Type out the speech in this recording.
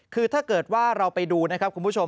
คือถ้าเกิดว่าเราไปดูนะครับคุณผู้ชม